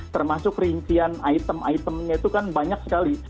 termasuk rincian item itemnya itu kan banyak sekali